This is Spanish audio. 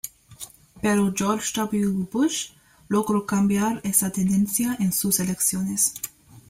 Pero George W. Bush logró cambiar esa tendencia en sus elecciones.